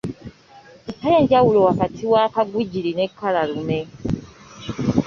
Mpa enjawulo wakati wa kagwigiri n’ekkalalume.